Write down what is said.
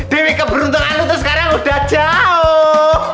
dewi keberuntungan lu tuh sekarang udah jauh